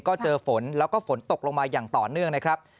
ก็เจอฝนแล้วก็ฝนตกลงมาอย่างต่อเนื่องนะครับ